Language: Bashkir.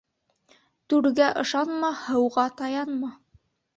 Түрәгә ышанма, һыуға таянма.